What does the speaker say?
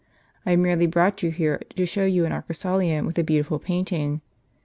I have merely brought you here to show you an arcosolivm, with a beautiful painting.